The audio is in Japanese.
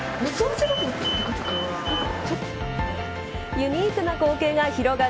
ユニークな光景が広がる